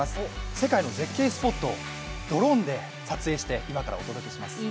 世界の絶景スポットをドローンで撮影して今からお届けします。